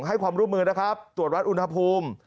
ให้ความร่วมมือนะครับตรวจวัดอุณหภูมิ